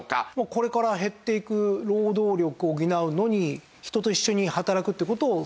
これから減っていく労働力を補うのに人と一緒に働くって事を想定しているから。